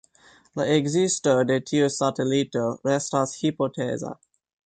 La ekzisto de tiu satelito restas hipoteza.